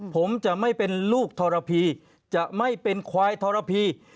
ผมจะไม่เป็นลูกธรพีจะไม่เป็นควายธรพี